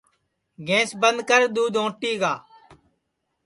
گیںٚس بند کر دؔودھ اوٹی گا